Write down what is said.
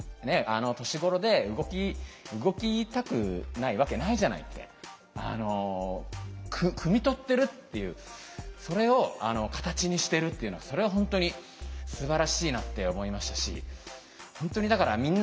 あの年頃で動きたくないわけないじゃないってくみ取ってるっていうそれを形にしてるっていうのはそれは本当にすばらしいなって思いましたし本当にだからうん。